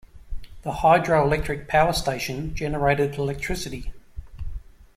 The hydroelectric power station generated electricity.